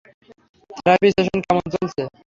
Therapy session কেমন চলছে?